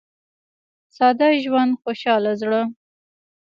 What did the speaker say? • ساده ژوند، خوشاله زړه.